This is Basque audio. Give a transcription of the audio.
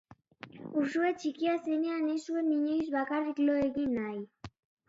Uxue txikia zenean ez zuen inoiz bakarrik lo egin nahi.